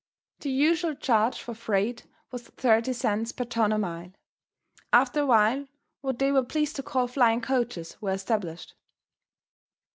The usual charge for freight was 30 cents per ton a mile. After a while, what they were pleased to call flying coaches were established.